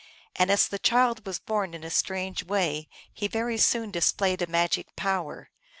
And as the child was born in a strange way, he very soon displayed a magic power.